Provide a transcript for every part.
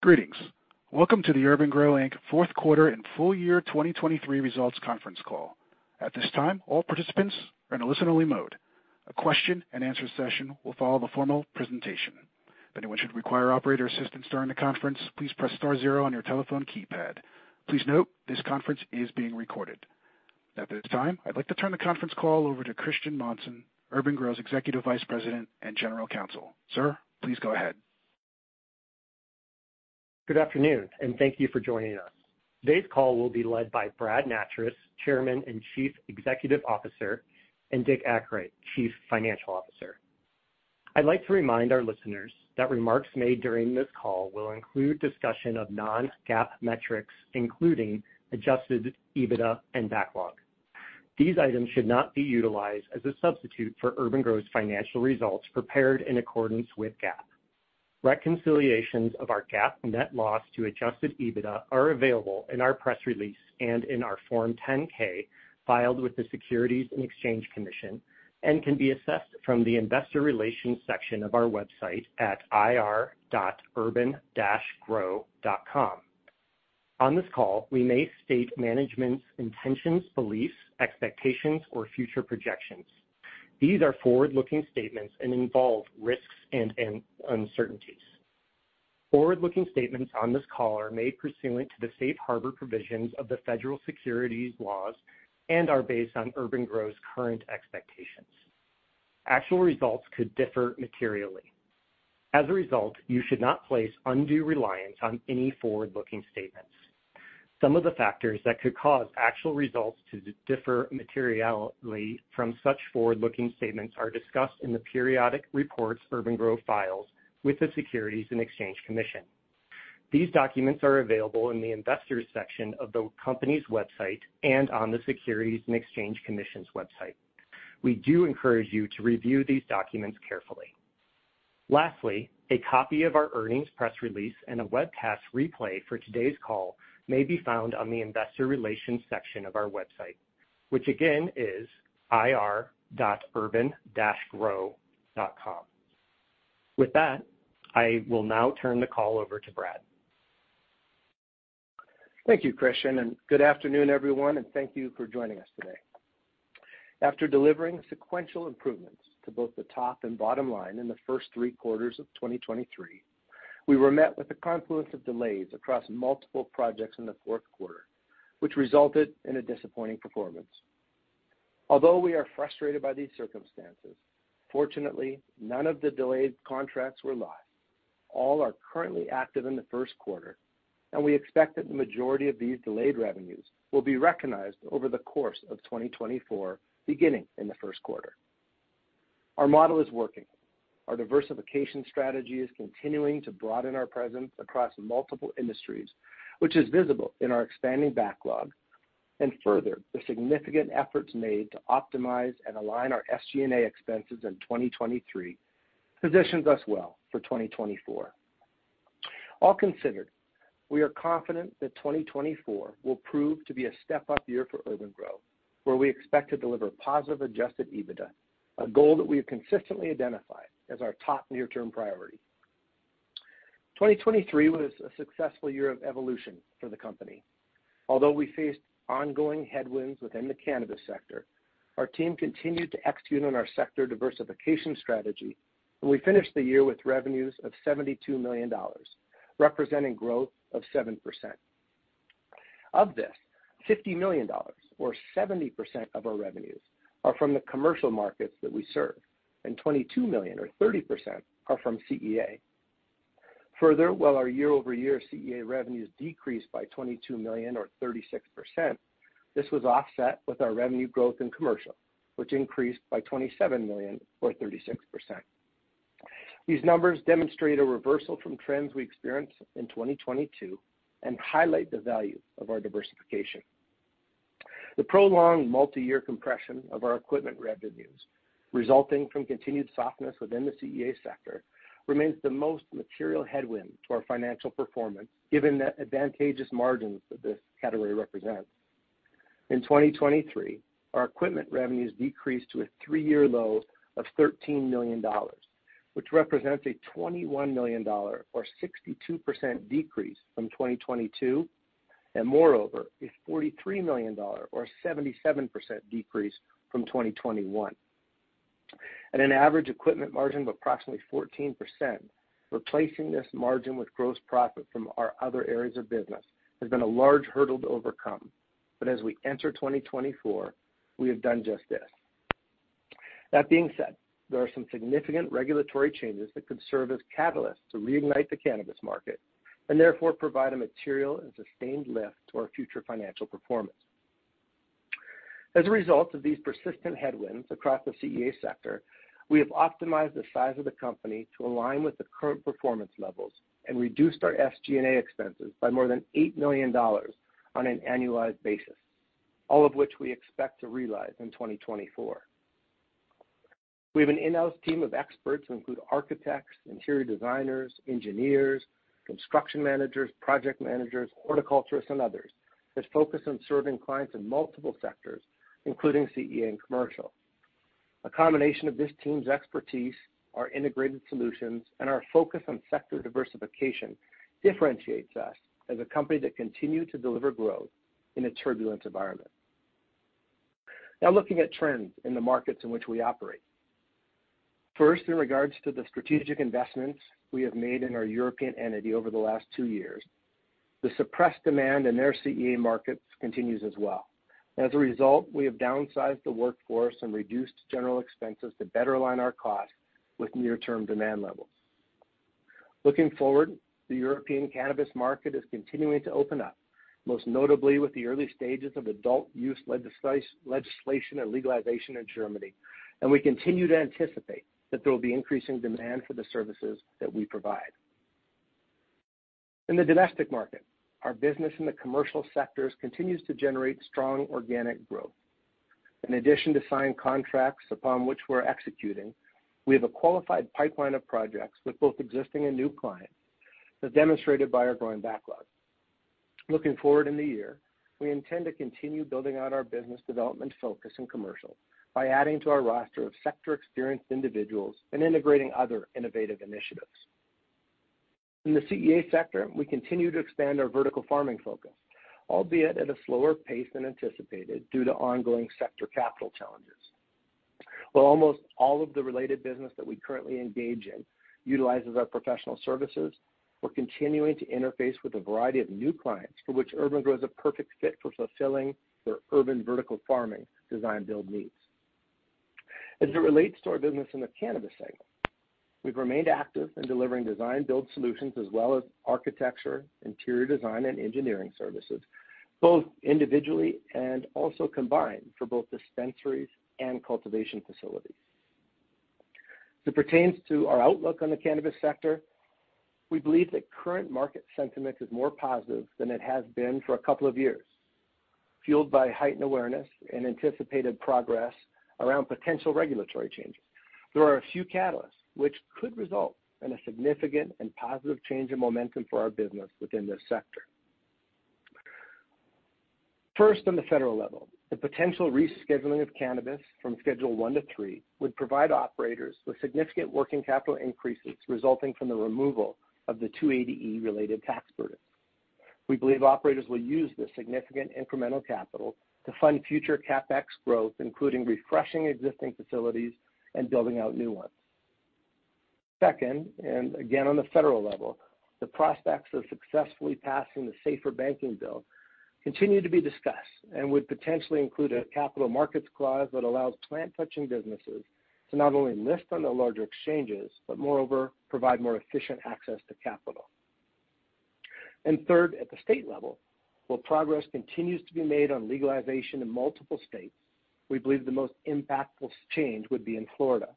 Greetings. Welcome to the urban-gro, Inc. Fourth Quarter and Full Year 2023 Results Conference Call. At this time, all participants are in a listen-only mode. A question-and-answer session will follow the formal presentation. If anyone should require operator assistance during the conference, please press star zero on your telephone keypad. Please note, this conference is being recorded. At this time, I'd like to turn the conference call over to Christian Monson, urban-gro's Executive Vice President and General Counsel. Sir, please go ahead. Good afternoon, and thank you for joining us. Today's call will be led by Brad Nattrass, Chairman and Chief Executive Officer, and Dick Akright, Chief Financial Officer. I'd like to remind our listeners that remarks made during this call will include discussion of non-GAAP metrics, including adjusted EBITDA and backlog. These items should not be utilized as a substitute for urban-gro's financial results prepared in accordance with GAAP. Reconciliations of our GAAP net loss to adjusted EBITDA are available in our press release and in our Form 10-K filed with the Securities and Exchange Commission, and can be assessed from the Investor Relations section of our website at ir.urban-gro.com. On this call, we may state management's intentions, beliefs, expectations, or future projections. These are forward-looking statements and involve risks and uncertainties. Forward-looking statements on this call are made pursuant to the safe harbor provisions of the federal securities laws and are based on urban-gro's current expectations. Actual results could differ materially. As a result, you should not place undue reliance on any forward-looking statements. Some of the factors that could cause actual results to differ materially from such forward-looking statements are discussed in the periodic reports urban-gro files with the Securities and Exchange Commission. These documents are available in the Investors section of the company's website and on the Securities and Exchange Commission's website. We do encourage you to review these documents carefully. Lastly, a copy of our earnings press release and a webcast replay for today's call may be found on the Investor Relations section of our website, which again is ir.urban-gro.com. With that, I will now turn the call over to Brad. Thank you, Christian, and good afternoon, everyone, and thank you for joining us today. After delivering sequential improvements to both the top and bottom line in the first three quarters of 2023, we were met with a confluence of delays across multiple projects in the fourth quarter, which resulted in a disappointing performance. Although we are frustrated by these circumstances, fortunately, none of the delayed contracts were lost. All are currently active in the first quarter, and we expect that the majority of these delayed revenues will be recognized over the course of 2024, beginning in the first quarter. Our model is working. Our diversification strategy is continuing to broaden our presence across multiple industries, which is visible in our expanding backlog. And further, the significant efforts made to optimize and align our SG&A expenses in 2023 positions us well for 2024. All considered, we are confident that 2024 will prove to be a step-up year for urban-gro, where we expect to deliver positive Adjusted EBITDA, a goal that we have consistently identified as our top near-term priority. 2023 was a successful year of evolution for the company. Although we faced ongoing headwinds within the cannabis sector, our team continued to execute on our sector diversification strategy, and we finished the year with revenues of $72 million, representing growth of 7%. Of this, $50 million, or 70% of our revenues, are from the commercial markets that we serve, and $22 million, or 30%, are from CEA. Further, while our year-over-year CEA revenues decreased by $22 million, or 36%, this was offset with our revenue growth in commercial, which increased by $27 million, or 36%. These numbers demonstrate a reversal from trends we experienced in 2022 and highlight the value of our diversification. The prolonged multi-year compression of our equipment revenues, resulting from continued softness within the CEA sector, remains the most material headwind to our financial performance, given the advantageous margins that this category represents. In 2023, our equipment revenues decreased to a three-year low of $13 million, which represents a $21 million, or 62% decrease from 2022, and moreover, a $43 million, or 77% decrease from 2021. At an average equipment margin of approximately 14%, replacing this margin with gross profit from our other areas of business has been a large hurdle to overcome. But as we enter 2024, we have done just this. That being said, there are some significant regulatory changes that could serve as catalysts to reignite the cannabis market and therefore provide a material and sustained lift to our future financial performance. As a result of these persistent headwinds across the CEA sector, we have optimized the size of the company to align with the current performance levels and reduced our SG&A expenses by more than $8 million on an annualized basis, all of which we expect to realize in 2024. We have an in-house team of experts who include architects, interior designers, engineers, construction managers, project managers, horticulturists, and others that focus on serving clients in multiple sectors, including CEA and commercial. A combination of this team's expertise, our integrated solutions, and our focus on sector diversification differentiates us as a company that continues to deliver growth in a turbulent environment. Now, looking at trends in the markets in which we operate. First, in regards to the strategic investments we have made in our European entity over the last two years, the suppressed demand in their CEA markets continues as well. As a result, we have downsized the workforce and reduced general expenses to better align our costs with near-term demand levels. Looking forward, the European cannabis market is continuing to open up, most notably with the early stages of adult-use legislation and legalization in Germany. We continue to anticipate that there will be increasing demand for the services that we provide. In the domestic market, our business in the commercial sectors continues to generate strong organic growth. In addition to signed contracts upon which we're executing, we have a qualified pipeline of projects with both existing and new clients as demonstrated by our growing backlog. Looking forward in the year, we intend to continue building out our business development focus in commercial by adding to our roster of sector-experienced individuals and integrating other innovative initiatives. In the CEA sector, we continue to expand our vertical farming focus, albeit at a slower pace than anticipated due to ongoing sector capital challenges. While almost all of the related business that we currently engage in utilizes our professional services, we're continuing to interface with a variety of new clients for which urban-gro is a perfect fit for fulfilling their urban vertical farming design-build needs. As it relates to our business in the cannabis segment, we've remained active in delivering design-build solutions as well as architecture, interior design, and engineering services, both individually and also combined for both dispensaries and cultivation facilities. As it pertains to our outlook on the cannabis sector, we believe that current market sentiment is more positive than it has been for a couple of years, fueled by heightened awareness and anticipated progress around potential regulatory changes. There are a few catalysts which could result in a significant and positive change in momentum for our business within this sector. First, on the federal level, the potential rescheduling of cannabis from Schedule I to III would provide operators with significant working capital increases resulting from the removal of the 280E-related tax burden. We believe operators will use this significant incremental capital to fund future CapEx growth, including refreshing existing facilities and building out new ones. Second, and again on the federal level, the prospects of successfully passing the SAFER Banking Bill continue to be discussed and would potentially include a capital markets clause that allows plant-touching businesses to not only list on the larger exchanges but, moreover, provide more efficient access to capital. And third, at the state level, while progress continues to be made on legalization in multiple states, we believe the most impactful change would be in Florida.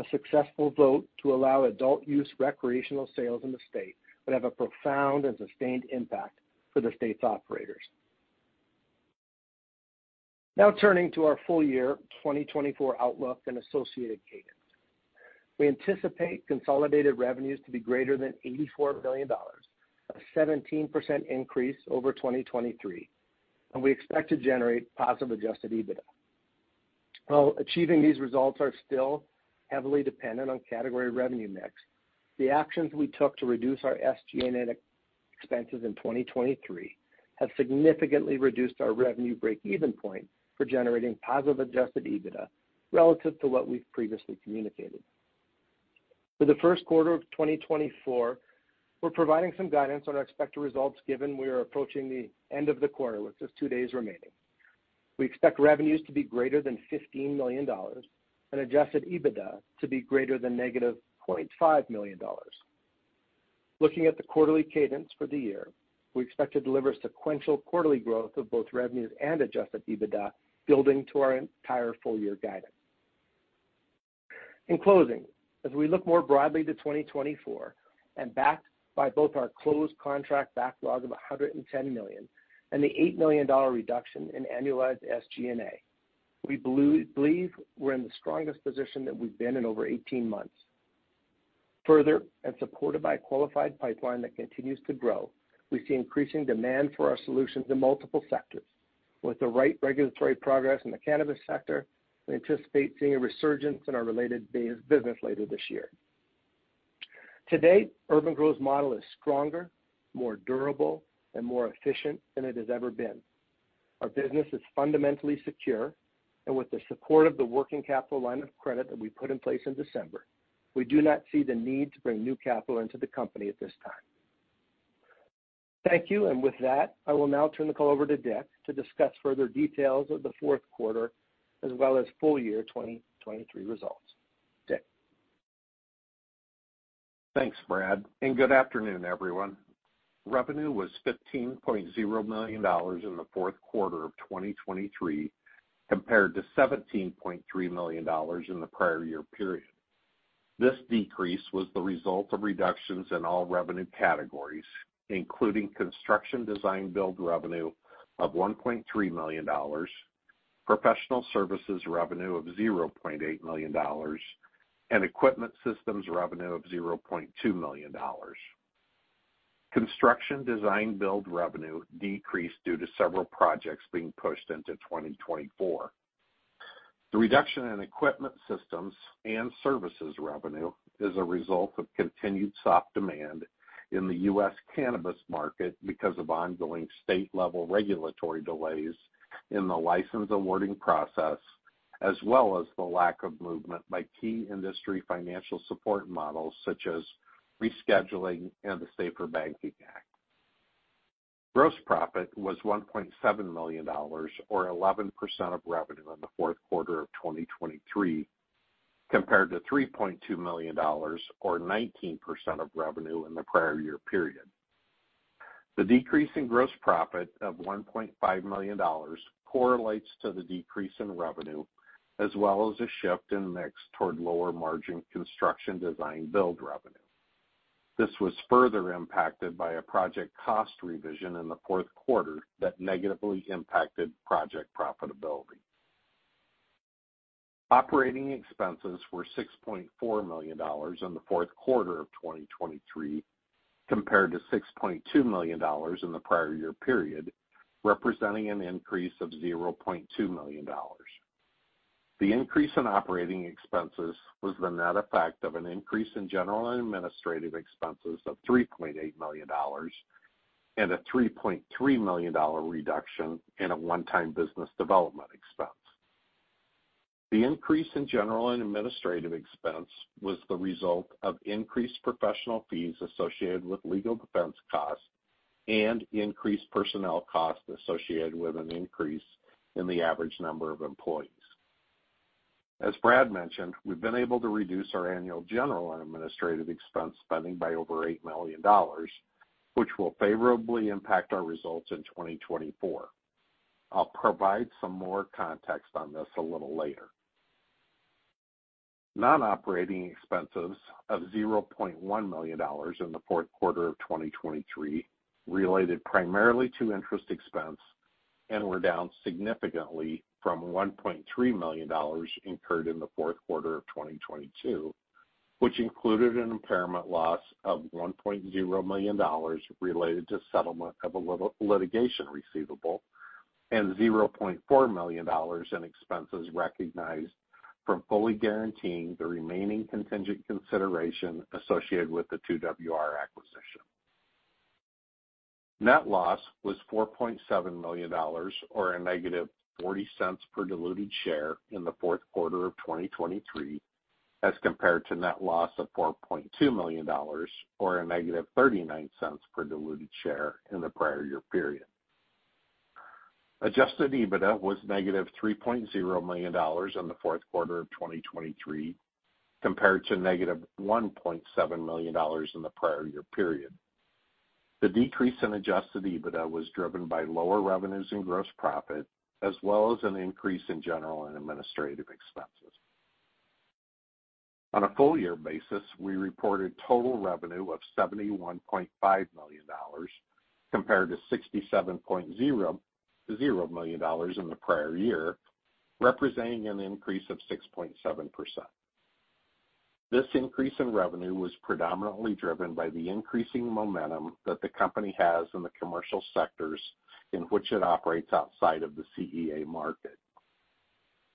A successful vote to allow adult use recreational sales in the state would have a profound and sustained impact for the state's operators. Now turning to our full year 2024 outlook and associated cadence. We anticipate consolidated revenues to be greater than $84 million, a 17% increase over 2023, and we expect to generate positive adjusted EBITDA. While achieving these results is still heavily dependent on category revenue mix, the actions we took to reduce our SG&A expenses in 2023 have significantly reduced our revenue break-even point for generating positive adjusted EBITDA relative to what we've previously communicated. For the first quarter of 2024, we're providing some guidance on our expected results given we are approaching the end of the quarter, with just two days remaining. We expect revenues to be greater than $15 million and Adjusted EBITDA to be greater than -$0.5 million. Looking at the quarterly cadence for the year, we expect to deliver sequential quarterly growth of both revenues and Adjusted EBITDA building to our entire full year guidance. In closing, as we look more broadly to 2024 and backed by both our closed contract backlog of $110 million and the $8 million reduction in annualized SG&A, we believe we're in the strongest position that we've been in over 18 months. Further, and supported by a qualified pipeline that continues to grow, we see increasing demand for our solutions in multiple sectors. With the right regulatory progress in the cannabis sector, we anticipate seeing a resurgence in our related business later this year. Today, urban-gro's model is stronger, more durable, and more efficient than it has ever been. Our business is fundamentally secure, and with the support of the working capital line of credit that we put in place in December, we do not see the need to bring new capital into the company at this time. Thank you. With that, I will now turn the call over to Dick to discuss further details of the fourth quarter as well as full year 2023 results. Dick. Thanks, Brad, and good afternoon, everyone. Revenue was $15.0 million in the fourth quarter of 2023 compared to $17.3 million in the prior year period. This decrease was the result of reductions in all revenue categories, including construction design-build revenue of $1.3 million, professional services revenue of $0.8 million, and equipment systems revenue of $0.2 million. Construction design-build revenue decreased due to several projects being pushed into 2024. The reduction in equipment systems and services revenue is a result of continued soft demand in the U.S. cannabis market because of ongoing state-level regulatory delays in the license-awarding process as well as the lack of movement by key industry financial support models such as rescheduling and the SAFER Banking Act. Gross profit was $1.7 million, or 11% of revenue in the fourth quarter of 2023, compared to $3.2 million, or 19% of revenue in the prior year period. The decrease in gross profit of $1.5 million correlates to the decrease in revenue as well as a shift in mix toward lower-margin construction design-build revenue. This was further impacted by a project cost revision in the fourth quarter that negatively impacted project profitability. Operating expenses were $6.4 million in the fourth quarter of 2023 compared to $6.2 million in the prior year period, representing an increase of $0.2 million. The increase in operating expenses was the net effect of an increase in general and administrative expenses of $3.8 million and a $3.3 million reduction in a one-time business development expense. The increase in general and administrative expense was the result of increased professional fees associated with legal defense costs and increased personnel costs associated with an increase in the average number of employees. As Brad mentioned, we've been able to reduce our annual general and administrative expense spending by over $8 million, which will favorably impact our results in 2024. I'll provide some more context on this a little later. Non-operating expenses of $0.1 million in the fourth quarter of 2023 related primarily to interest expense and were down significantly from $1.3 million incurred in the fourth quarter of 2022, which included an impairment loss of $1.0 million related to settlement of a litigation receivable and $0.4 million in expenses recognized from fully guaranteeing the remaining contingent consideration associated with the 2WR acquisition. Net loss was $4.7 million, or a negative $0.40 per diluted share in the fourth quarter of 2023, as compared to net loss of $4.2 million, or a negative $0.39 per diluted share in the prior year period. Adjusted EBITDA was negative $3.0 million in the fourth quarter of 2023 compared to negative $1.7 million in the prior year period. The decrease in adjusted EBITDA was driven by lower revenues and gross profit as well as an increase in general and administrative expenses. On a full year basis, we reported total revenue of $71.5 million compared to $67.0 million in the prior year, representing an increase of 6.7%. This increase in revenue was predominantly driven by the increasing momentum that the company has in the commercial sectors in which it operates outside of the CEA market.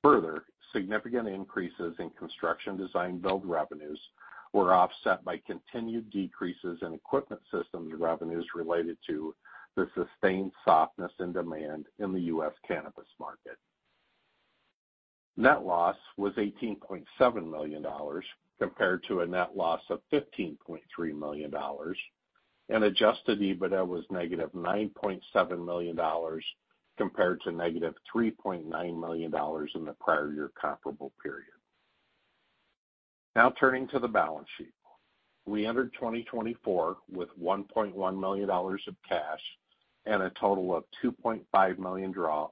Further, significant increases in construction design-build revenues were offset by continued decreases in equipment systems revenues related to the sustained softness in demand in the U.S. cannabis market. Net loss was $18.7 million compared to a net loss of $15.3 million, and Adjusted EBITDA was -$9.7 million compared to -$3.9 million in the prior year comparable period. Now turning to the balance sheet. We entered 2024 with $1.1 million of cash and a total of $2.5 million drawn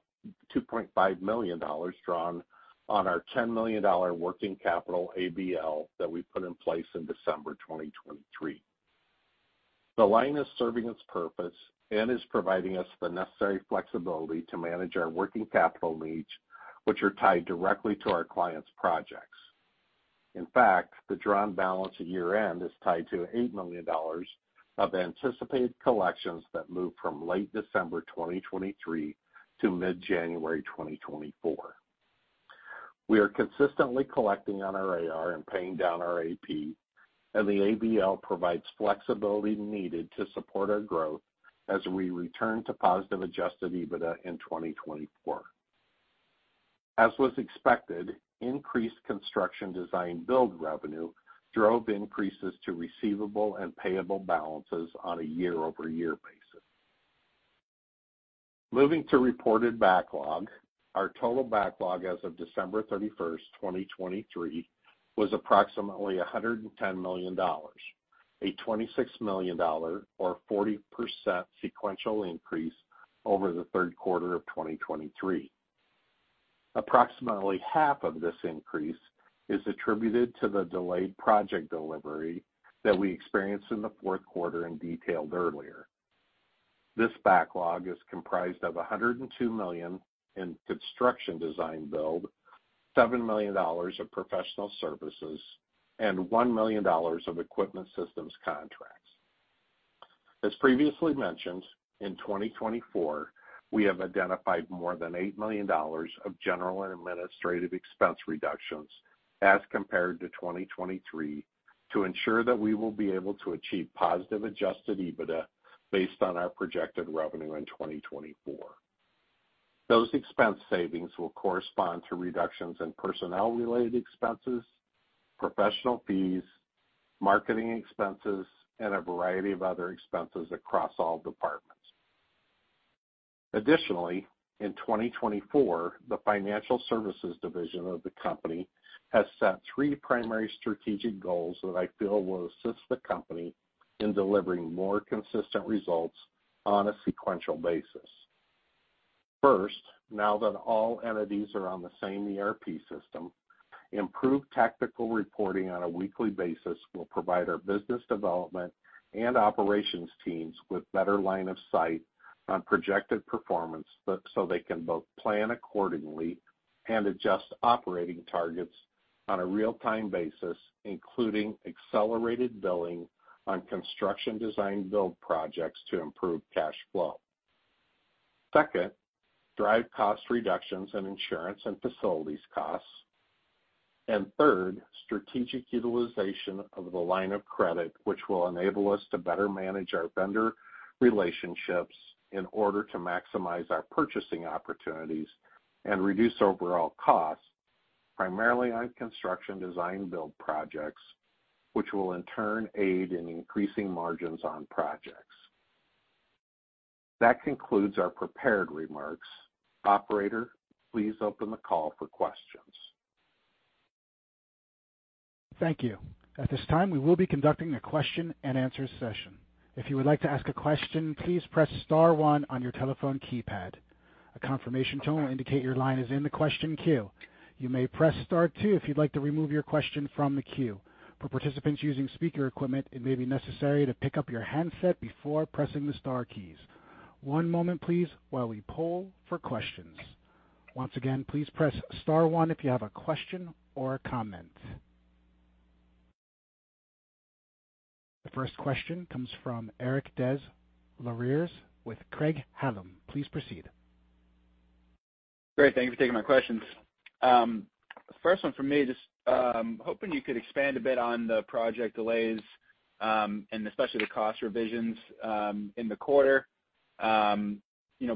on our $10 million working capital ABL that we put in place in December 2023. The line is serving its purpose and is providing us the necessary flexibility to manage our working capital needs, which are tied directly to our clients' projects. In fact, the drawn balance at year-end is tied to $8 million of anticipated collections that move from late December 2023 to mid-January 2024. We are consistently collecting on our AR and paying down our AP, and the ABL provides flexibility needed to support our growth as we return to positive Adjusted EBITDA in 2024. As was expected, increased construction design-build revenue drove increases to receivable and payable balances on a year-over-year basis. Moving to reported backlog, our total backlog as of December 31st, 2023, was approximately $110 million, a $26 million, or 40% sequential increase over the third quarter of 2023. Approximately half of this increase is attributed to the delayed project delivery that we experienced in the fourth quarter and detailed earlier. This backlog is comprised of $102 million in construction design-build, $7 million of professional services, and $1 million of equipment systems contracts. As previously mentioned, in 2024, we have identified more than $8 million of general and administrative expense reductions as compared to 2023 to ensure that we will be able to achieve positive Adjusted EBITDA based on our projected revenue in 2024. Those expense savings will correspond to reductions in personnel-related expenses, professional fees, marketing expenses, and a variety of other expenses across all departments. Additionally, in 2024, the financial services division of the company has set three primary strategic goals that I feel will assist the company in delivering more consistent results on a sequential basis. First, now that all entities are on the same ERP system, improved tactical reporting on a weekly basis will provide our business development and operations teams with better line of sight on projected performance so they can both plan accordingly and adjust operating targets on a real-time basis, including accelerated billing on construction design-build projects to improve cash flow. Second, drive cost reductions in insurance and facilities costs. Third, strategic utilization of the line of credit, which will enable us to better manage our vendor relationships in order to maximize our purchasing opportunities and reduce overall costs, primarily on construction design-build projects, which will in turn aid in increasing margins on projects. That concludes our prepared remarks. Operator, please open the call for questions. Thank you. At this time, we will be conducting a question-and-answer session. If you would like to ask a question, please press star one on your telephone keypad. A confirmation tone will indicate your line is in the question queue. You may press star two if you'd like to remove your question from the queue. For participants using speaker equipment, it may be necessary to pick up your handset before pressing the star keys. One moment, please, while we pull for questions. Once again, please press star one if you have a question or a comment. The first question comes from Eric Des Lauriers with Craig-Hallum. Please proceed. Great. Thank you for taking my questions. First one for me, just hoping you could expand a bit on the project delays and especially the cost revisions in the quarter.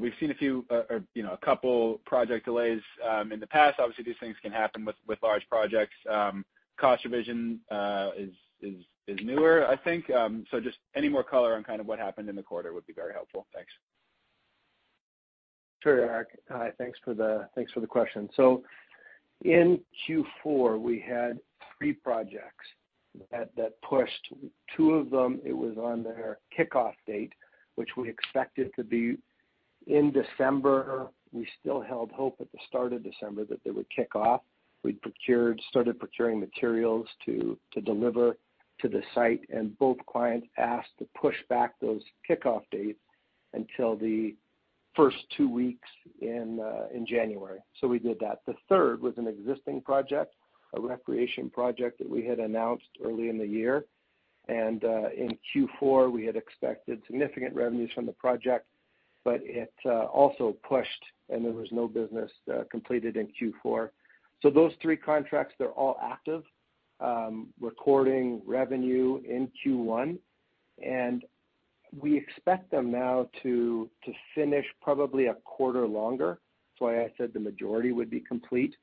We've seen a few or a couple project delays in the past. Obviously, these things can happen with large projects. Cost revision is newer, I think. So just any more color on kind of what happened in the quarter would be very helpful. Thanks. Sure, Eric. Hi. Thanks for the question. So in Q4, we had three projects that pushed. Two of them, it was on their kickoff date, which we expected to be in December. We still held hope at the start of December that they would kick off. We'd started procuring materials to deliver to the site, and both clients asked to push back those kickoff dates until the first two weeks in January. So we did that. The third was an existing project, a recreation project that we had announced early in the year. And in Q4, we had expected significant revenues from the project, but it also pushed, and there was no business completed in Q4. So those three contracts, they're all active, recording revenue in Q1. And we expect them now to finish probably a quarter longer. That's why I said the majority would be complete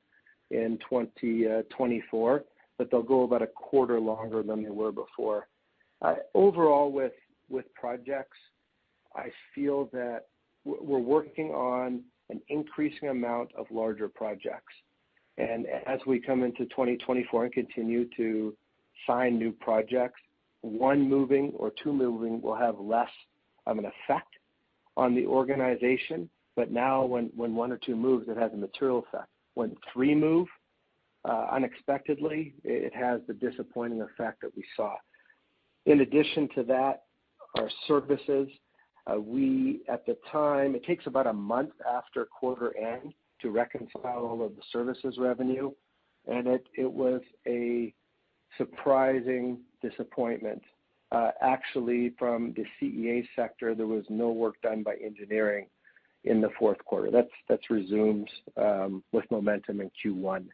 in 2024, but they'll go about a quarter longer than they were before. Overall, with projects, I feel that we're working on an increasing amount of larger projects. And as we come into 2024 and continue to sign new projects, one moving or two moving will have less of an effect on the organization. But now, when one or two move, it has a material effect. When three move unexpectedly, it has the disappointing effect that we saw. In addition to that, our services, at the time, it takes about a month after quarter end to reconcile all of the services revenue, and it was a surprising disappointment. Actually, from the CEA sector, there was no work done by engineering in the fourth quarter. That resumes with momentum in Q1.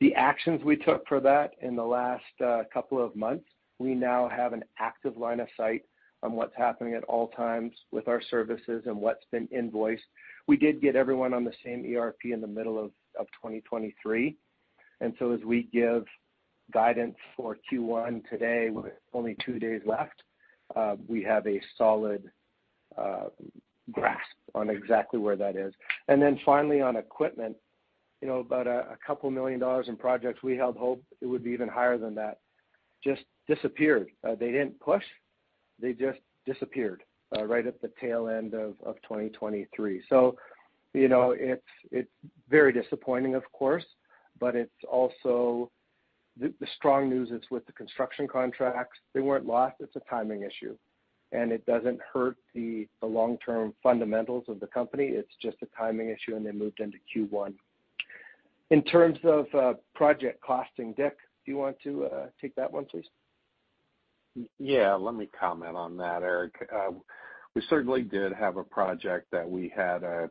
The actions we took for that in the last couple of months, we now have an active line of sight on what's happening at all times with our services and what's been invoiced. We did get everyone on the same ERP in the middle of 2023. And so as we give guidance for Q1 today, with only two days left, we have a solid grasp on exactly where that is. And then finally, on equipment, about $2 million in projects we held hope it would be even higher than that just disappeared. They didn't push. They just disappeared right at the tail end of 2023. So it's very disappointing, of course, but the strong news is with the construction contracts, they weren't lost. It's a timing issue, and it doesn't hurt the long-term fundamentals of the company. It's just a timing issue, and they moved into Q1. In terms of project costing, Dick, do you want to take that one, please? Yeah. Let me comment on that, Eric. We certainly did have a project that we had a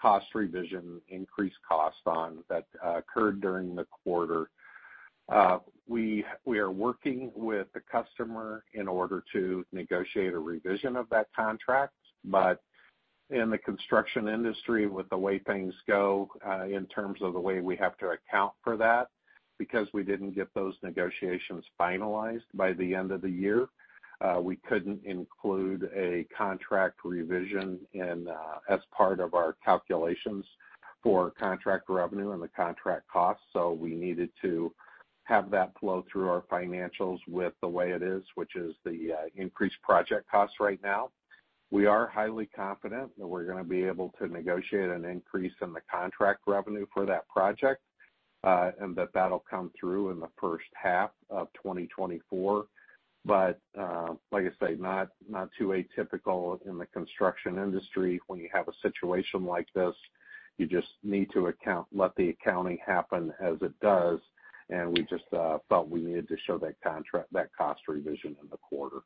cost revision, increased cost on that occurred during the quarter. We are working with the customer in order to negotiate a revision of that contract. But in the construction industry, with the way things go in terms of the way we have to account for that, because we didn't get those negotiations finalized by the end of the year, we couldn't include a contract revision as part of our calculations for contract revenue and the contract costs. So we needed to have that flow through our financials with the way it is, which is the increased project costs right now. We are highly confident that we're going to be able to negotiate an increase in the contract revenue for that project and that that'll come through in the first half of 2024. But like I said, not too atypical in the construction industry. When you have a situation like this, you just need to let the accounting happen as it does. And we just felt we needed to show that cost revision in the quarter.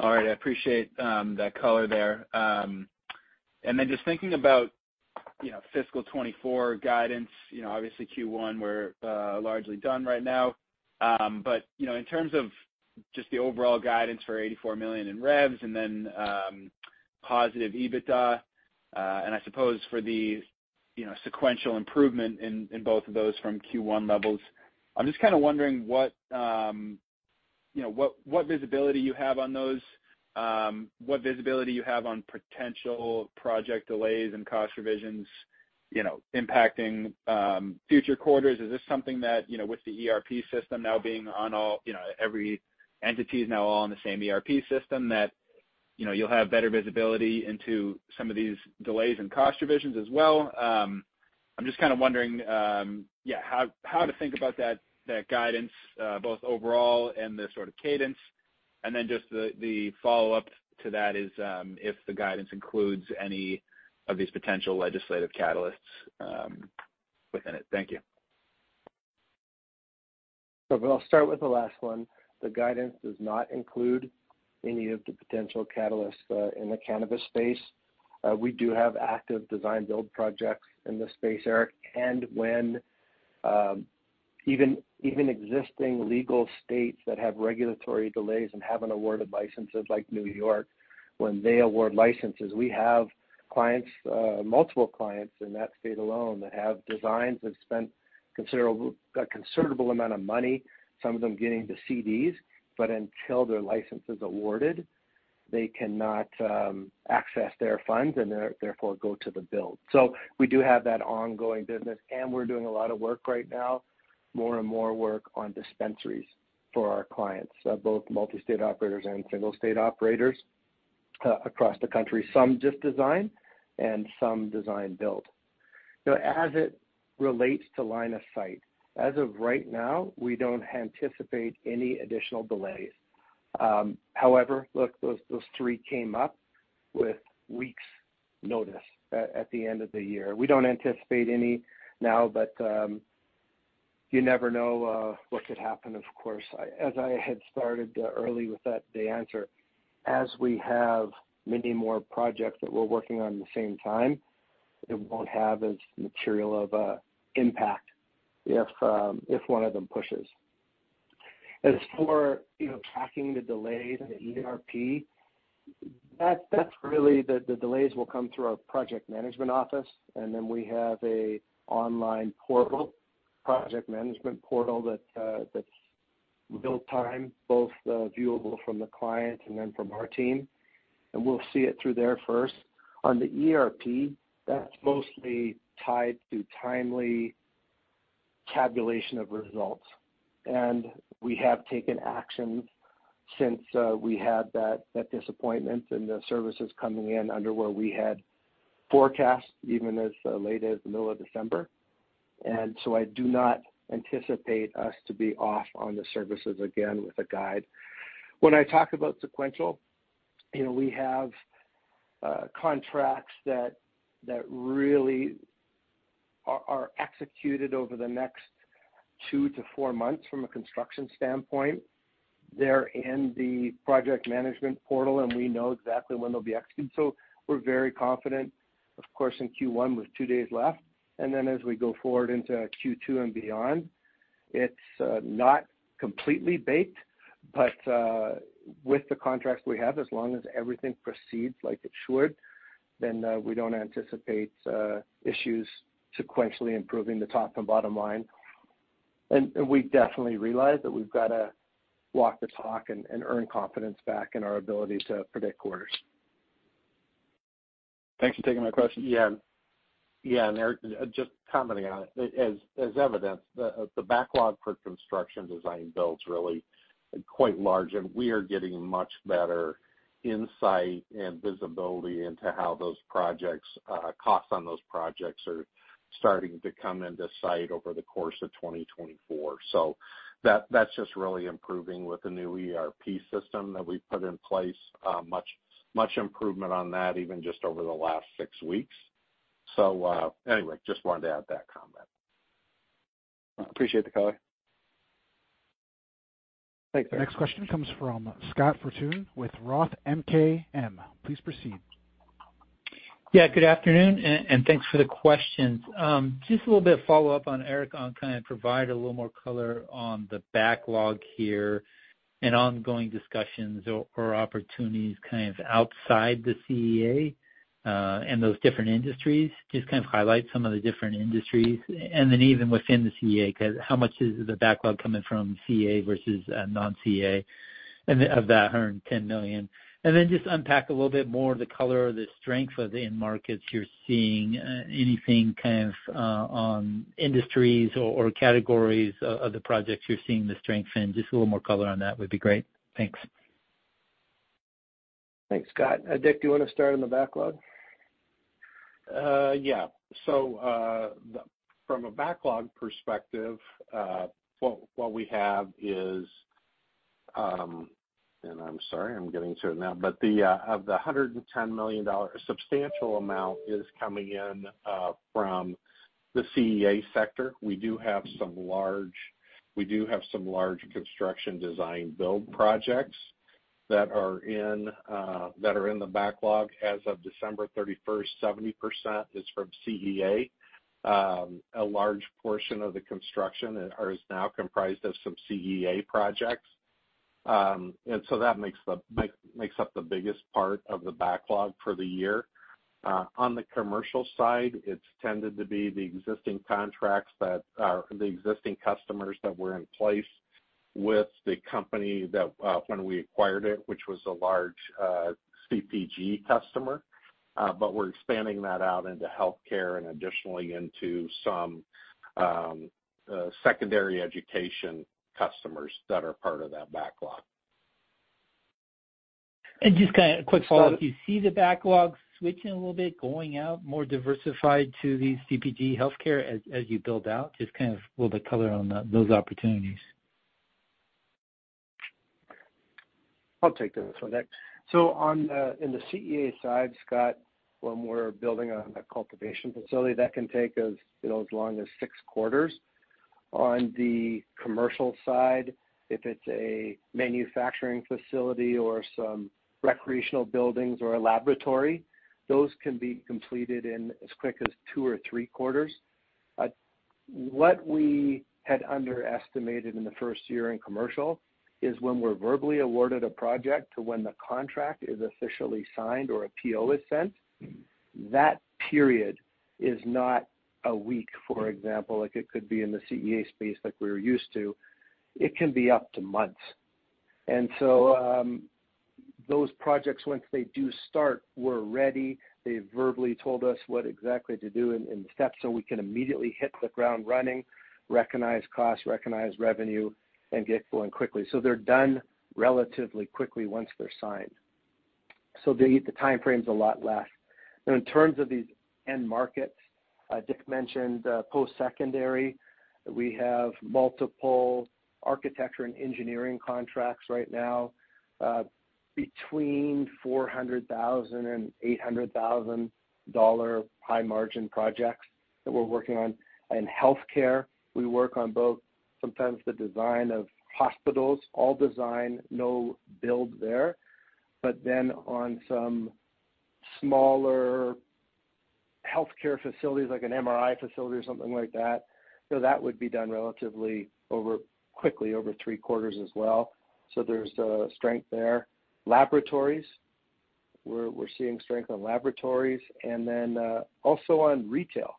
All right. I appreciate that color there. Then just thinking about fiscal 2024 guidance, obviously, Q1, we're largely done right now. But in terms of just the overall guidance for $84 million in revenues and then positive EBITDA, and I suppose for the sequential improvement in both of those from Q1 levels, I'm just kind of wondering what visibility you have on those, what visibility you have on potential project delays and cost revisions impacting future quarters. Is this something that with the ERP system now being on all every entity is now all on the same ERP system, that you'll have better visibility into some of these delays and cost revisions as well? I'm just kind of wondering, yeah, how to think about that guidance, both overall and the sort of cadence. And then just the follow-up to that is if the guidance includes any of these potential legislative catalysts within it. Thank you. So I'll start with the last one. The guidance does not include any of the potential catalysts in the cannabis space. We do have active design-build projects in the space, Eric. And even existing legal states that have regulatory delays and haven't awarded licenses like New York. When they award licenses, we have multiple clients in that state alone that have designs that spent a considerable amount of money, some of them getting to CDs. But until their license is awarded, they cannot access their funds and therefore go to the build. So we do have that ongoing business, and we're doing a lot of work right now, more and more work on dispensaries for our clients, both multi-state operators and single-state operators across the country, some just design and some design-build. As it relates to line of sight, as of right now, we don't anticipate any additional delays. However, look, those three came up with weeks' notice at the end of the year. We don't anticipate any now, but you never know what could happen, of course. As I had started early with that answer, as we have many more projects that we're working on at the same time, it won't have as material of an impact if one of them pushes. As for tracking the delays and the ERP, the delays will come through our project management office. And then we have an online portal, project management portal that's real-time, both viewable from the client and then from our team. And we'll see it through there first. On the ERP, that's mostly tied to timely tabulation of results. And we have taken actions since we had that disappointment and the services coming in under where we had forecast, even as late as the middle of December. So I do not anticipate us to be off on the services again with a guide. When I talk about sequential, we have contracts that really are executed over the next 2-4 months from a construction standpoint. They're in the project management portal, and we know exactly when they'll be executed. So we're very confident, of course, in Q1 with 2 days left. Then as we go forward into Q2 and beyond, it's not completely baked. But with the contracts we have, as long as everything proceeds like it should, then we don't anticipate issues sequentially improving the top and bottom line. We definitely realize that we've got to walk the talk and earn confidence back in our ability to predict quarters. Thanks for taking my question. Yeah. Yeah. And Eric, just commenting on it, as evidence, the backlog for construction design-build's really quite large, and we are getting much better insight and visibility into how those projects, costs on those projects, are starting to come into sight over the course of 2024. So that's just really improving with the new ERP system that we've put in place, much improvement on that even just over the last six weeks. So anyway, just wanted to add that comment. Appreciate the color. Thanks, Eric. Next question comes from Scott Fortune with Roth MKM. Please proceed. Yeah. Good afternoon, and thanks for the questions. Just a little bit of follow-up on Eric, I'll kind of provide a little more color on the backlog here and ongoing discussions or opportunities kind of outside the CEA and those different industries, just kind of highlight some of the different industries and then even within the CEA because how much is the backlog coming from CEA versus non-CEA of that $110 million? And then just unpack a little bit more the color, the strength of the in-markets you're seeing, anything kind of on industries or categories of the projects you're seeing the strength in. Just a little more color on that would be great. Thanks. Thanks, Scott. Dick, do you want to start on the backlog? Yeah. So from a backlog perspective, what we have is, and I'm sorry, I'm getting to it now. But of the $110 million, a substantial amount is coming in from the CEA sector. We do have some large construction design-build projects that are in the backlog as of December 31st. 70% is from CEA. A large portion of the construction is now comprised of some CEA projects. And so that makes up the biggest part of the backlog for the year. On the commercial side, it's tended to be the existing contracts that are the existing customers that were in place with the company when we acquired it, which was a large CPG customer. But we're expanding that out into healthcare and additionally into some secondary education customers that are part of that backlog. Just kind of a quick follow-up, do you see the backlog switching a little bit, going out more diversified to the CPG healthcare as you build out? Just kind of a little bit of color on those opportunities. I'll take this one, Dick. So in the CEA side, Scott, when we're building a cultivation facility, that can take as long as six quarters. On the commercial side, if it's a manufacturing facility or some recreational buildings or a laboratory, those can be completed in as quick as two or three quarters. What we had underestimated in the first year in commercial is when we're verbally awarded a project to when the contract is officially signed or a PO is sent, that period is not a week, for example, like it could be in the CEA space like we were used to. It can be up to months. And so those projects, once they do start, we're ready. They've verbally told us what exactly to do and the steps so we can immediately hit the ground running, recognize costs, recognize revenue, and get going quickly. So they're done relatively quickly once they're signed. So the time frame's a lot less. Now, in terms of these end markets, Dick mentioned post-secondary. We have multiple architecture and engineering contracts right now, between $400,000 and $800,000 high-margin projects that we're working on. In healthcare, we work on both sometimes the design of hospitals, all design, no build there. But then on some smaller healthcare facilities like an MRI facility or something like that, that would be done relatively quickly, over three quarters as well. So there's strength there. Laboratories, we're seeing strength on laboratories. And then also on retail,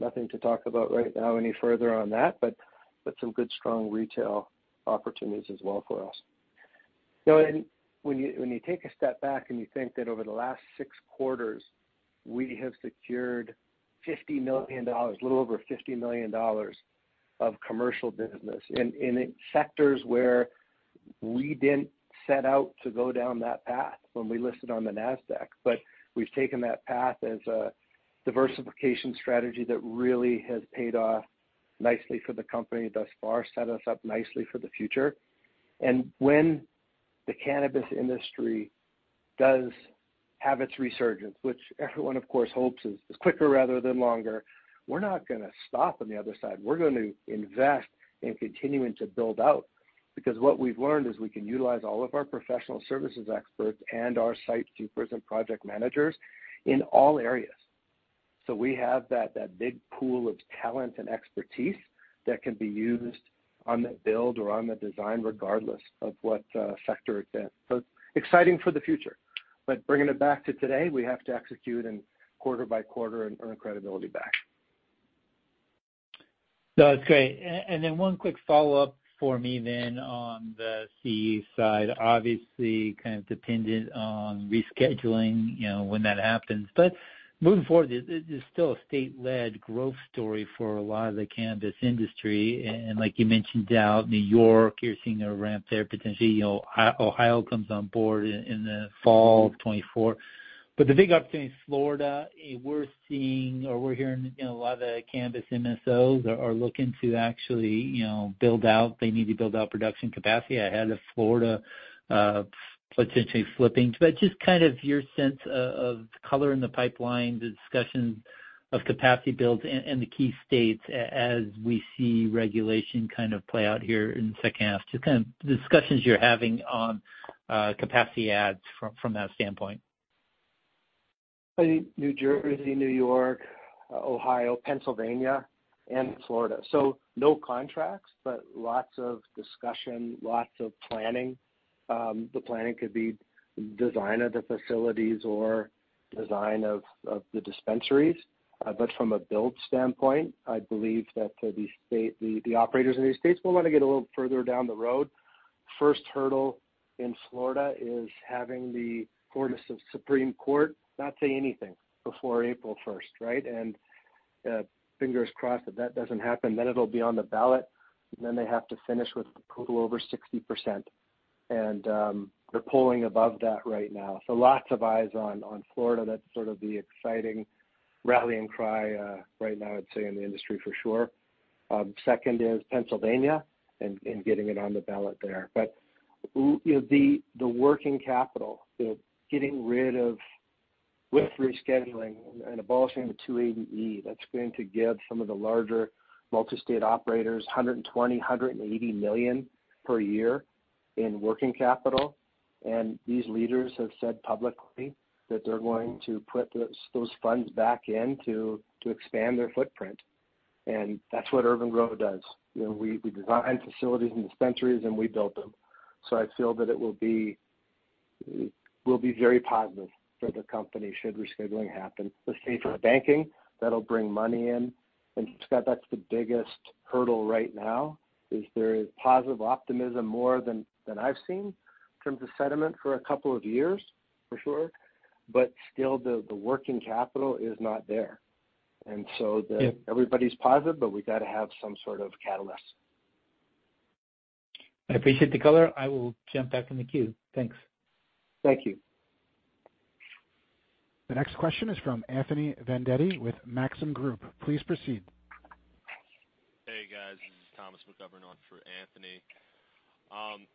nothing to talk about right now any further on that, but some good, strong retail opportunities as well for us. When you take a step back and you think that over the last six quarters, we have secured a little over $50 million of commercial business in sectors where we didn't set out to go down that path when we listed on the NASDAQ. But we've taken that path as a diversification strategy that really has paid off nicely for the company thus far, set us up nicely for the future. When the cannabis industry does have its resurgence, which everyone, of course, hopes is quicker rather than longer, we're not going to stop on the other side. We're going to invest in continuing to build out because what we've learned is we can utilize all of our professional services experts and our site supers and project managers in all areas. So we have that big pool of talent and expertise that can be used on the build or on the design regardless of what sector it's in. So it's exciting for the future. But bringing it back to today, we have to execute quarter by quarter and earn credibility back. No, that's great. And then one quick follow-up for me then on the CEA side, obviously kind of dependent on rescheduling when that happens. But moving forward, it is still a state-led growth story for a lot of the cannabis industry. And like you mentioned out, New York, you're seeing a ramp there potentially. Ohio comes on board in the fall of 2024. But the big opportunity, Florida, we're seeing or we're hearing a lot of the cannabis MSOs are looking to actually build out. They need to build out production capacity ahead of Florida potentially flipping. But just kind of your sense of color in the pipeline, the discussions of capacity builds in the key states as we see regulation kind of play out here in the second half, just kind of the discussions you're having on capacity adds from that standpoint. I think New Jersey, New York, Ohio, Pennsylvania, and Florida. So no contracts, but lots of discussion, lots of planning. The planning could be design of the facilities or design of the dispensaries. But from a build standpoint, I believe that the operators in these states will want to get a little further down the road. First hurdle in Florida is having the courtesy of the Supreme Court not say anything before April 1st, right? And fingers crossed that that doesn't happen. Then it'll be on the ballot. Then they have to finish with approval over 60%. And they're polling above that right now. So lots of eyes on Florida. That's sort of the exciting rallying cry right now, I'd say, in the industry for sure. Second is Pennsylvania and getting it on the ballot there. But the working capital, getting rid of with rescheduling and abolishing the 280E, that's going to give some of the larger multi-state operators $120-$180 million per year in working capital. And these leaders have said publicly that they're going to put those funds back in to expand their footprint. And that's what urban-gro does. We design facilities and dispensaries, and we build them. So I feel that it will be very positive for the company should rescheduling happen. Let's say for banking, that'll bring money in. And Scott, that's the biggest hurdle right now is there is positive optimism more than I've seen in terms of sentiment for a couple of years for sure. But still, the working capital is not there. And so everybody's positive, but we got to have some sort of catalyst. I appreciate the color. I will jump back in the queue. Thanks. Thank you. The next question is from Anthony Vendetti with Maxim Group. Please proceed. Hey, guys. This is Thomas McGovern on for Anthony.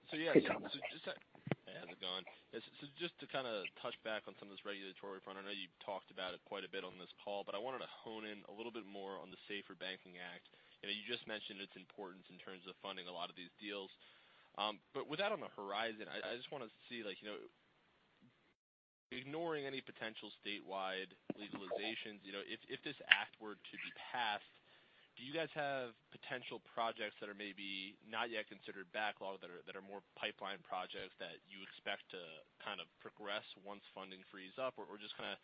So yeah. Hey, Thomas. So just how's it going? So just to kind of touch back on some of this regulatory front, I know you've talked about it quite a bit on this call, but I wanted to hone in a little bit more on the SAFER Banking Act. You just mentioned its importance in terms of funding a lot of these deals. But with that on the horizon, I just want to see ignoring any potential statewide legalizations, if this act were to be passed, do you guys have potential projects that are maybe not yet considered backlog, that are more pipeline projects that you expect to kind of progress once funding frees up, or just kind of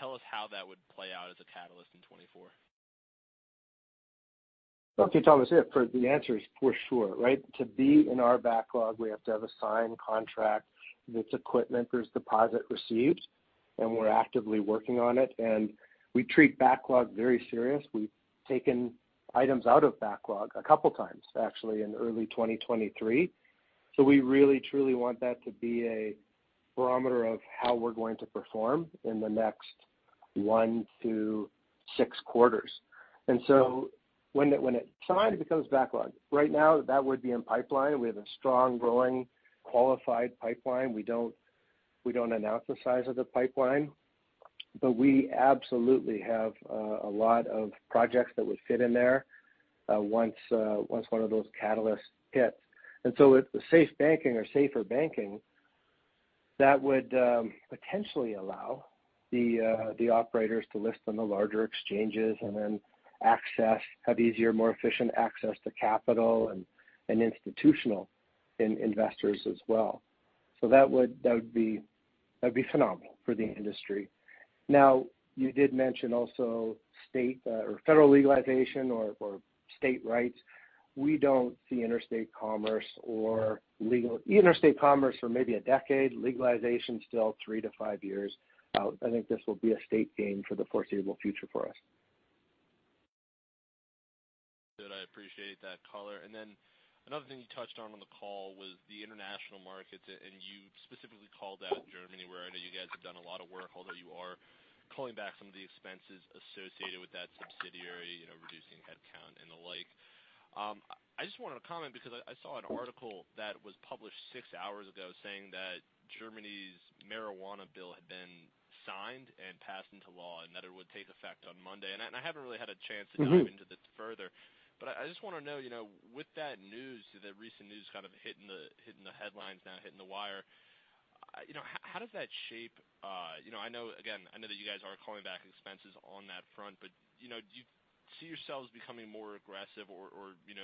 tell us how that would play out as a catalyst in 2024? Okay, Thomas. Yeah, the answer is for sure, right? To be in our backlog, we have to have a signed contract that's equipment, there's deposit received, and we're actively working on it. And we treat backlog very serious. We've taken items out of backlog a couple of times, actually, in early 2023. So we really, truly want that to be a barometer of how we're going to perform in the next 1-6 quarters. And so when it's signed, it becomes backlog. Right now, that would be in pipeline. We have a strong, growing, qualified pipeline. We don't announce the size of the pipeline. But we absolutely have a lot of projects that would fit in there once one of those catalysts hits. And so with the SAFE Banking or SAFER Banking, that would potentially allow the operators to list on the larger exchanges and then have easier, more efficient access to capital and institutional investors as well. So that would be phenomenal for the industry. Now, you did mention also federal legalization or state rights. We don't see interstate commerce or legal interstate commerce for maybe a decade, legalization still 3-5 years. I think this will be a state game for the foreseeable future for us. Good. I appreciate that color. And then another thing you touched on on the call was the international markets. And you specifically called out Germany, where I know you guys have done a lot of work, although you are calling back some of the expenses associated with that subsidiary, reducing headcount and the like. I just wanted to comment because I saw an article that was published six hours ago saying that Germany's marijuana bill had been signed and passed into law and that it would take effect on Monday. And I haven't really had a chance to dive into this further. I just want to know, with that news, that recent news kind of hitting the headlines now, hitting the wire, how does that shape—I know, again, I know that you guys are calling back expenses on that front, but do you see yourselves becoming more aggressive or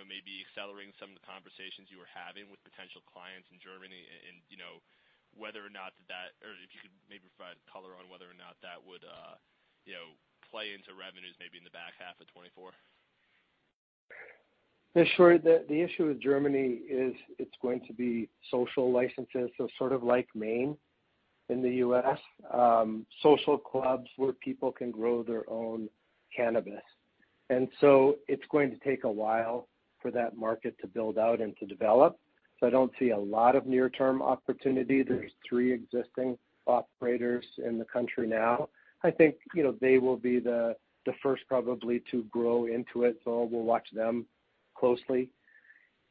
maybe accelerating some of the conversations you were having with potential clients in Germany and whether or not that or if you could maybe provide color on whether or not that would play into revenues maybe in the back half of 2024? Yeah, sure. The issue with Germany is it's going to be social licenses. So sort of like Maine in the U.S., social clubs where people can grow their own cannabis. And so it's going to take a while for that market to build out and to develop. So I don't see a lot of near-term opportunity. There's 3 existing operators in the country now. I think they will be the first probably to grow into it. So we'll watch them closely.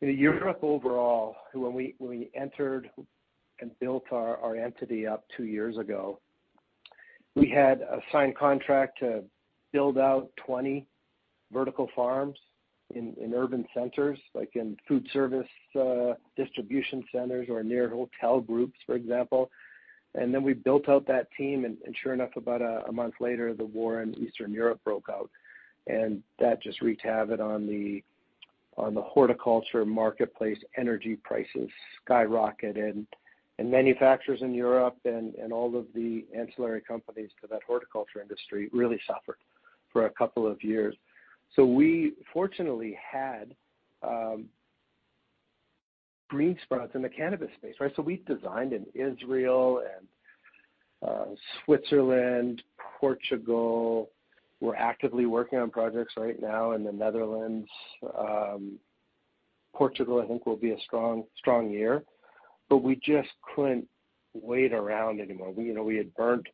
In Europe, overall, when we entered and built our entity up 2 years ago, we had a signed contract to build out 20 vertical farms in urban centers, like in food service distribution centers or near hotel groups, for example. And then we built out that team. And sure enough, about a month later, the war in Eastern Europe broke out. That just wreaked havoc on the horticulture marketplace. Energy prices skyrocketed. Manufacturers in Europe and all of the ancillary companies to that horticulture industry really suffered for a couple of years. So we, fortunately, had green sprouts in the cannabis space, right? So we designed in Israel and Switzerland, Portugal. We're actively working on projects right now in the Netherlands. Portugal, I think, will be a strong year. But we just couldn't wait around anymore. We had burnt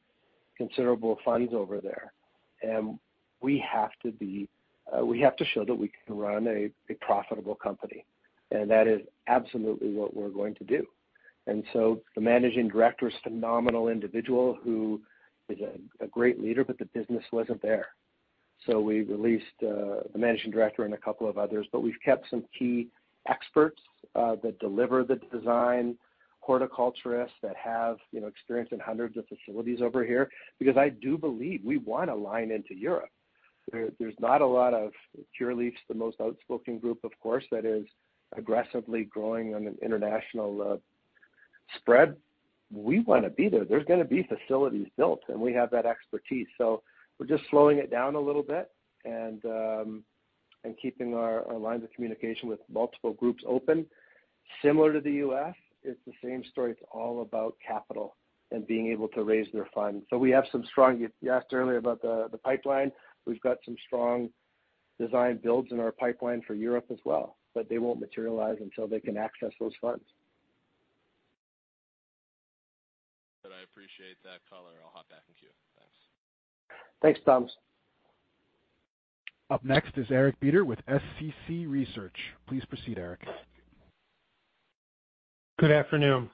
considerable funds over there. And we have to show that we can run a profitable company. And that is absolutely what we're going to do. And so the managing director is a phenomenal individual who is a great leader, but the business wasn't there. So we released the managing director and a couple of others. But we've kept some key experts that deliver the design, horticulturists that have experience in hundreds of facilities over here because I do believe we want a line into Europe. There's not a lot of Curaleaf, the most outspoken group, of course, that is aggressively growing on an international spread. We want to be there. There's going to be facilities built, and we have that expertise. So we're just slowing it down a little bit and keeping our lines of communication with multiple groups open. Similar to the U.S., it's the same story. It's all about capital and being able to raise their funds. So we have some strong you asked earlier about the pipeline. We've got some strong design-builds in our pipeline for Europe as well, but they won't materialize until they can access those funds. Good. I appreciate that color. I'll hop back in queue. Thanks. Thanks, Thomas. Up next is Eric Beder with SCC Research. Please proceed, Eric. Good afternoon.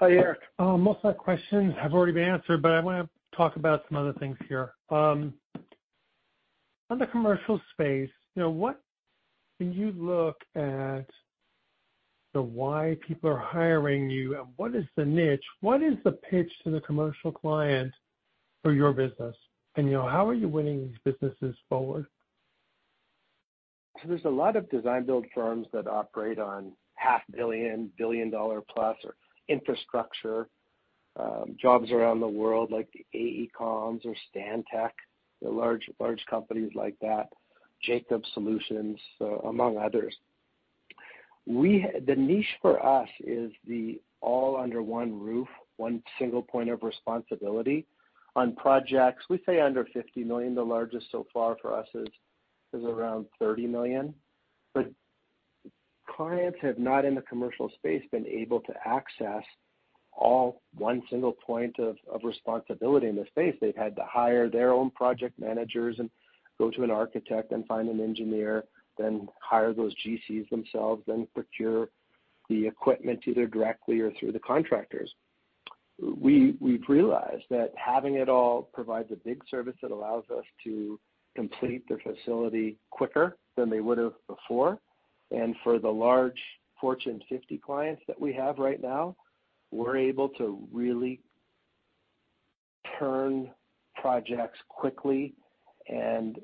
Hi, Eric. Most of my questions have already been answered, but I want to talk about some other things here. In the commercial space, when you look at why people are hiring you and what is the niche, what is the pitch to the commercial client for your business? And how are you winning these businesses forward? So there's a lot of design-build firms that operate on $500 million, $1 billion-plus infrastructure jobs around the world like AECOM or Stantec, large companies like that, Jacobs Solutions, among others. The niche for us is the all-under-one roof, one single point of responsibility on projects. We say under $50 million. The largest so far for us is around $30 million. But clients have not, in the commercial space, been able to access all one single point of responsibility in the space. They've had to hire their own project managers and go to an architect and find an engineer, then hire those GCs themselves, then procure the equipment either directly or through the contractors. We've realized that having it all provides a big service that allows us to complete their facility quicker than they would have before. For the large Fortune 50 clients that we have right now, we're able to really turn projects quickly, and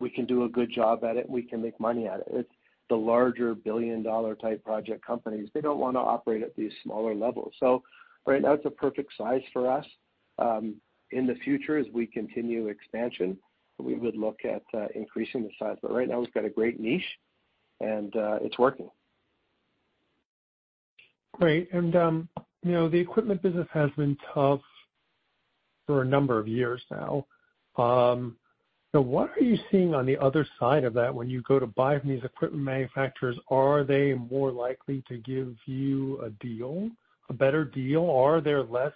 we can do a good job at it, and we can make money at it. The larger billion-dollar-type project companies, they don't want to operate at these smaller levels. So right now, it's a perfect size for us. In the future, as we continue expansion, we would look at increasing the size. But right now, we've got a great niche, and it's working. Great. And the equipment business has been tough for a number of years now. So what are you seeing on the other side of that when you go to buy from these equipment manufacturers? Are they more likely to give you a better deal? Are there less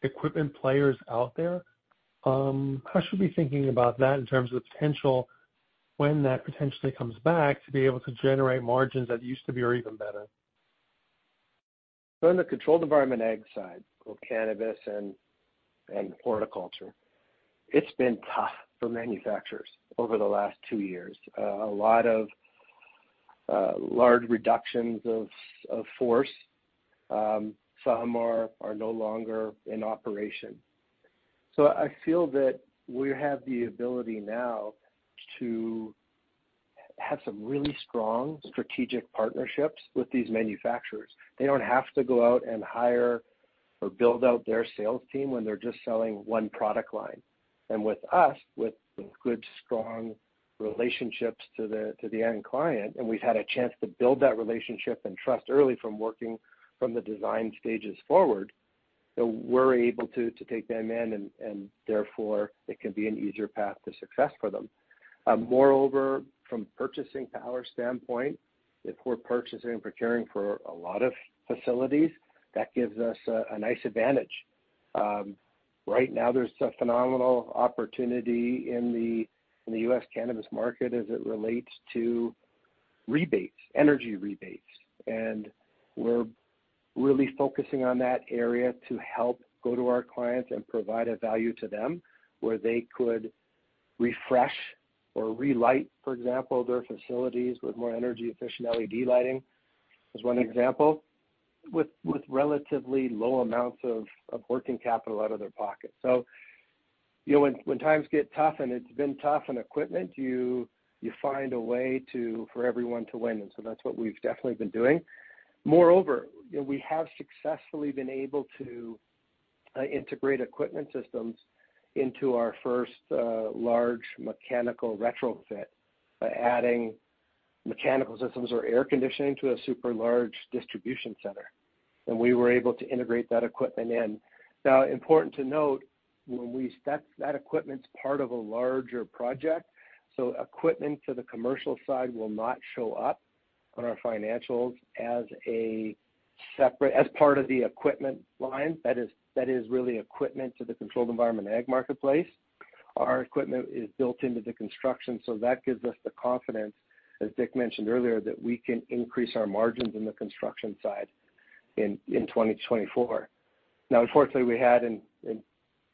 equipment players out there? How should we be thinking about that in terms of when that potentially comes back to be able to generate margins that used to be or even better? So on the controlled environment Ag side of cannabis and horticulture, it's been tough for manufacturers over the last two years. A lot of large reductions of force. Some are no longer in operation. So I feel that we have the ability now to have some really strong strategic partnerships with these manufacturers. They don't have to go out and hire or build out their sales team when they're just selling one product line. And with us, with good, strong relationships to the end client, and we've had a chance to build that relationship and trust early from working from the design stages forward, we're able to take them in, and therefore, it can be an easier path to success for them. Moreover, from a purchasing power standpoint, if we're purchasing and procuring for a lot of facilities, that gives us a nice advantage. Right now, there's a phenomenal opportunity in the U.S. cannabis market as it relates to energy rebates. And we're really focusing on that area to help go to our clients and provide a value to them where they could refresh or relight, for example, their facilities with more energy-efficient LED lighting as one example, with relatively low amounts of working capital out of their pocket. So when times get tough, and it's been tough on equipment, you find a way for everyone to win. And so that's what we've definitely been doing. Moreover, we have successfully been able to integrate equipment systems into our first large mechanical retrofit, adding mechanical systems or air conditioning to a super large distribution center. And we were able to integrate that equipment in. Now, important to note, that equipment's part of a larger project. So equipment to the commercial side will not show up on our financials as part of the equipment line. That is really equipment to the controlled environment Ag marketplace. Our equipment is built into the construction. So that gives us the confidence, as Dick mentioned earlier, that we can increase our margins in the construction side in 2024. Now, unfortunately, we had in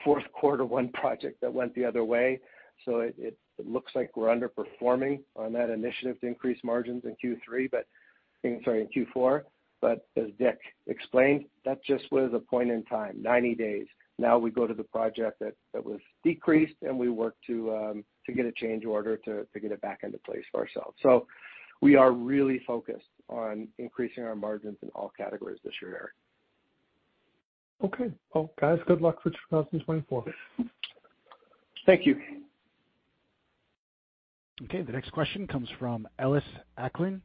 Q4 one project that went the other way. So it looks like we're underperforming on that initiative to increase margins in Q3, sorry, in Q4. But as Dick explained, that just was a point in time, 90 days. Now, we go to the project that was decreased, and we work to get a change order to get it back into place for ourselves. So we are really focused on increasing our margins in all categories this year, Eric. Okay. Well, guys, good luck for 2024. Thank you. Okay. The next question comes from Ellis Acklin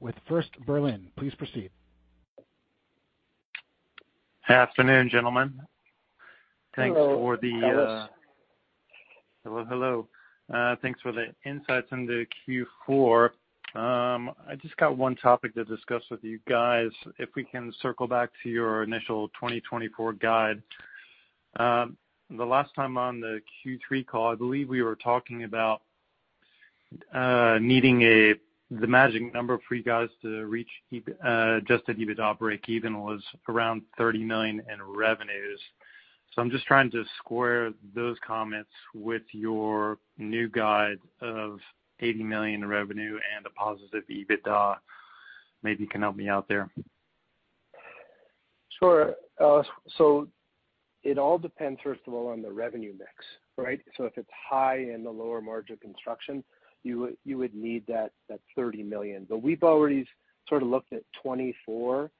with First Berlin. Please proceed. Good afternoon, gentlemen. Thanks for the. Hello. Hello. Hello. Thanks for the insights into Q4. I just got one topic to discuss with you guys. If we can circle back to your initial 2024 guide. The last time on the Q3 call, I believe we were talking about needing the magic number for you guys to reach just an EBITDA break-even was around $30 million in revenues. So I'm just trying to square those comments with your new guide of $80 million in revenue and a positive EBITDA. Maybe you can help me out there. Sure. So it all depends, first of all, on the revenue mix, right? So if it's high in the lower margin of construction, you would need that $30 million. But we've already sort of looked at 2024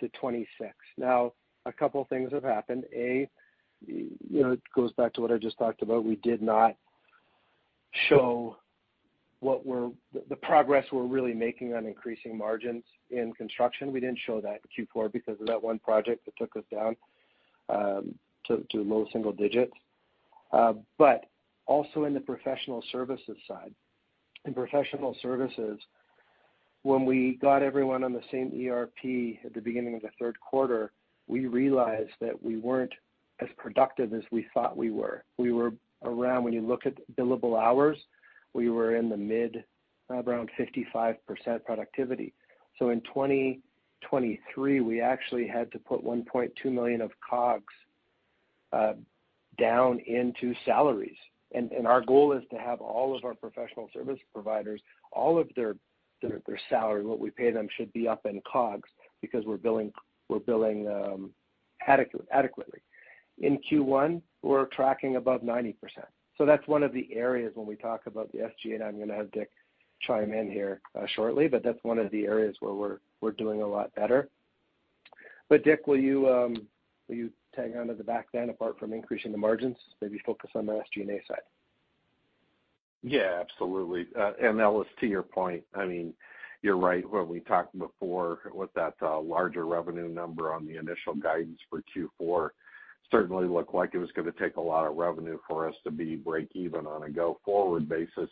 to 2026. Now, a couple of things have happened. A, it goes back to what I just talked about. We did not show what the progress we're really making on increasing margins in construction. We didn't show that in Q4 because of that one project that took us down to low single digits. But also in the professional services side. In professional services, when we got everyone on the same ERP at the beginning of the third quarter, we realized that we weren't as productive as we thought we were. When you look at billable hours, we were in the mid, around 55% productivity. In 2023, we actually had to put $1.2 million of COGS down into salaries. Our goal is to have all of our professional service providers, all of their salary, what we pay them, should be up in COGS because we're billing adequately. In Q1, we're tracking above 90%. That's one of the areas when we talk about the SG&A. I'm going to have Dick chime in here shortly. But that's one of the areas where we're doing a lot better. But Dick, will you tag on to the back then, apart from increasing the margins, maybe focus on the SG&A side? Yeah, absolutely. And Ellis, to your point, I mean, you're right when we talked before with that larger revenue number on the initial guidance for Q4 certainly looked like it was going to take a lot of revenue for us to be break-even on a go-forward basis.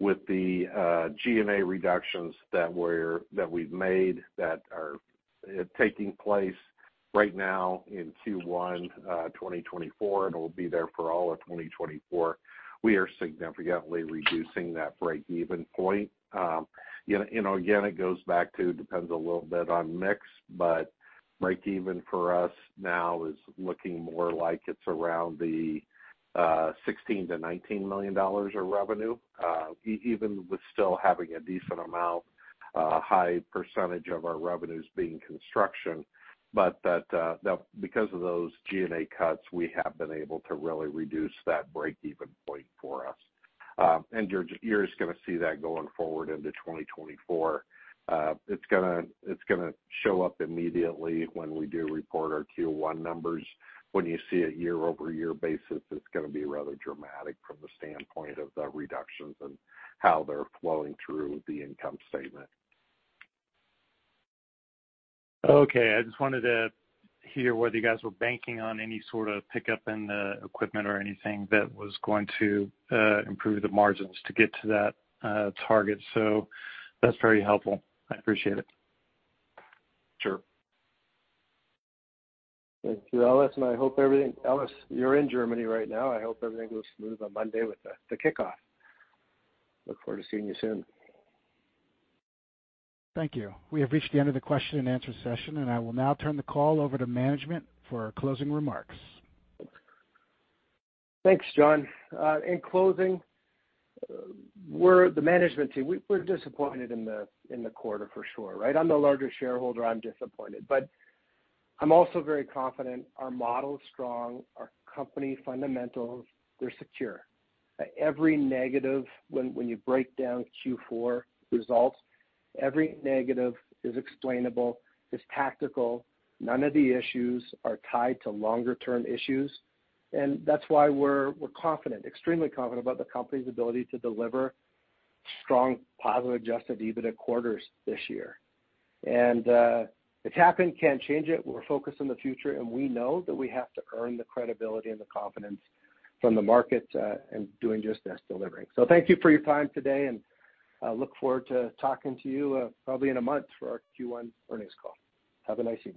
With the G&A reductions that we've made that are taking place right now in Q1 2024, and it will be there for all of 2024, we are significantly reducing that break-even point. Again, it goes back to it depends a little bit on mix, but break-even for us now is looking more like it's around the $16 million-$19 million of revenue, even with still having a decent amount, a high percentage of our revenues being construction. But because of those G&A cuts, we have been able to really reduce that break-even point for us. You're just going to see that going forward into 2024. It's going to show up immediately when we do report our Q1 numbers. When you see it year-over-year basis, it's going to be rather dramatic from the standpoint of the reductions and how they're flowing through the income statement. Okay. I just wanted to hear whether you guys were banking on any sort of pickup in the equipment or anything that was going to improve the margins to get to that target. So that's very helpful. I appreciate it. Sure. Thank you, Ellis. You're in Germany right now. I hope everything goes smooth on Monday with the kickoff. Look forward to seeing you soon. Thank you. We have reached the end of the question-and-answer session, and I will now turn the call over to management for closing remarks. Thanks, John. In closing, the management team, we're disappointed in the quarter for sure, right? I'm the larger shareholder. I'm disappointed. But I'm also very confident our model's strong, our company fundamentals, they're secure. When you break down Q4 results, every negative is explainable, is tactical. None of the issues are tied to longer-term issues. And that's why we're confident, extremely confident about the company's ability to deliver strong, positive, Adjusted EBITDA quarters this year. And it's happened, can't change it. We're focused on the future, and we know that we have to earn the credibility and the confidence from the markets and doing just this delivering. So thank you for your time today, and I look forward to talking to you probably in a month for our Q1 earnings call. Have a nice evening.